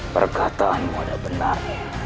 perkataanmu adalah benar